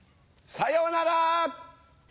さよなら！